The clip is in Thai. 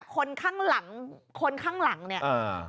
คนข้างหลังหลังเนี่ย